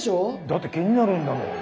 だって気になるんだもん。